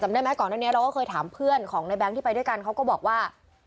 ได้ไหมก่อนหน้านี้เราก็เคยถามเพื่อนของในแง๊งที่ไปด้วยกันเขาก็บอกว่า